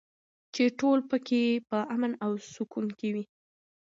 چې ټول پکې په امن او سکون کې وي.